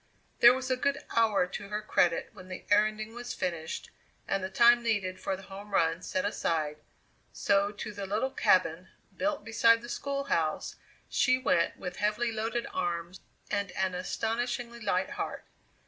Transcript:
There was a good hour to her credit when the erranding was finished and the time needed for the home run set aside, so to the little cabin, built beside the schoolhouse, she went with heavily loaded arms and an astonishingly light heart.